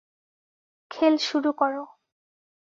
খেল শুরু করো।